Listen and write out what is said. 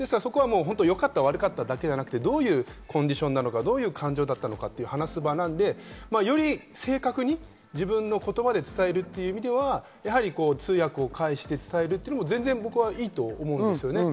よかった、悪かっただけではなくて、どういうコンディション、どういう感情と話す場なので、より正確に、自分の言葉で伝えるという意味では通訳を介して伝えるというのは全然僕はいいと思うんですよね。